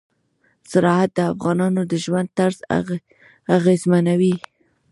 زراعت د افغانانو د ژوند طرز اغېزمنوي.